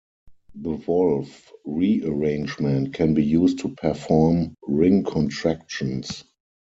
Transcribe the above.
The Wolff rearrangement can be used to perform ring contractions.